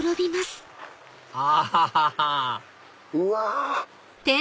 アハハハうわ！